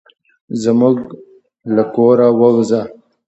زموږ له کوره ووزه.